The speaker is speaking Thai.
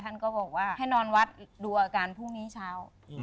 ท่านก็บอกว่าให้นอนวัดดูอาการพรุ่งนี้เช้า